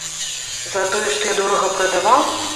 За тое, што я дорага прадаваў?